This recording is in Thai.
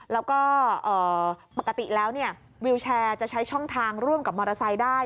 แล้วก็ปกติแล้ววิวแชร์จะใช้ช่องทางร่วมกับมอเตอร์ไซค์ได้